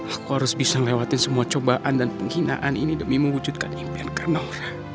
aku harus bisa ngelewatin semua cobaan dan penghinaan ini demi mewujudkan impian kak nora